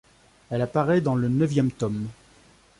Elle apparaît dans le neuvième tome.